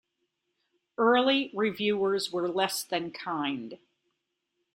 Early reviewers were less than kind.